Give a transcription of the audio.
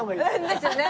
ですよね。